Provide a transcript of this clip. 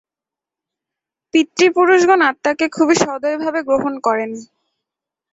পিতৃপুরুষগণ আত্মাকে খুবই সদয়ভাবে গ্রহণ করেন।